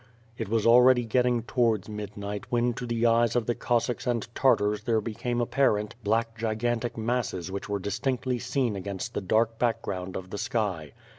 It was already getting towards midnight when to the eyes of the Cossacks and Tartars there became apparent black gigantic masses which were distinctly seen against the dark background of the sky.